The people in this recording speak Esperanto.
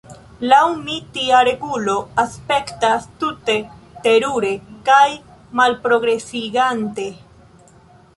Laŭ mi tia regulo aspektas tute terure kaj malprogresigante.